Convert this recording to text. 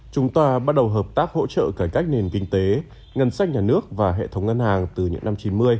chúng ta bắt đầu hợp tác hỗ trợ cải cách nền kinh tế ngân sách nhà nước và hệ thống ngân hàng từ những năm chín mươi